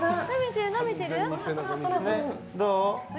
どう？